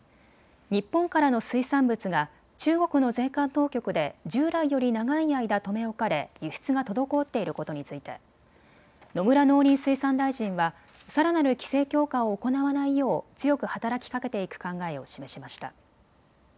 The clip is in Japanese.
日本からの水産物が中国の税関当局で従来より長い間、留め置かれ輸出が滞っていることについて野村農林水産大臣はさらなる規制強化を行わないよう強く働きかけていく考えを示しました。